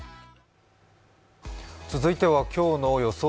続いては今日の予想